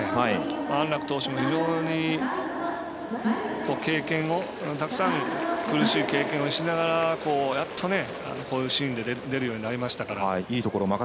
安樂投手も非常に経験をたくさん苦しい経験をしながらやっと、こういうシーンで出るようになりましたから。